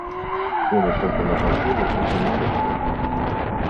Поля топала по полю около тополя.